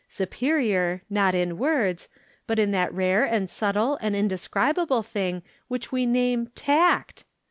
Superior, not in words, but in that rare and subtle and indescribable thing which we name tact?